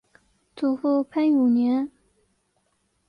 祖父潘永年。